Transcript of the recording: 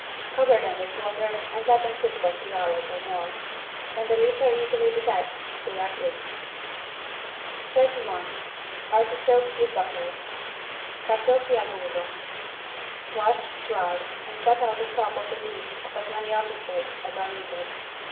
Cover them with water and let them cook for two hours or more. When the leaves are easily detached they are cooked. 31 ARTICHOKES WITH BUTTER (Carciofi al burro) Wash, dry and cut out the top of the leaves of as many artichokes as are needed.